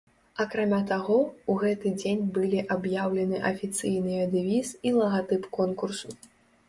Акрамя таго ў гэты дзень былі аб'яўлены афіцыйныя дэвіз і лагатып конкурсу.